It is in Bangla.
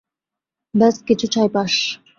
ব্যস কিছু ছাইপাঁশ।